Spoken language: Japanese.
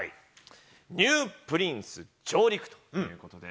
ニュープリンス上陸ということで。